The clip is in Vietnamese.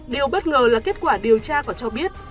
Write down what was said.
điều bất ngờ là kết quả điều tra còn cho biết